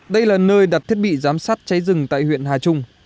đây là nơi đặt thiết bị giám sát cháy rừng tại huyện hà trung